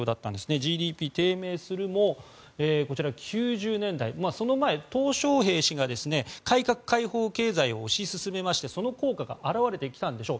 ＧＤＰ低迷するもこちら、１９９０年代その前はトウ・ショウヘイ氏が改革開放経済を推し進めましてその効果が表れてきたんでしょう。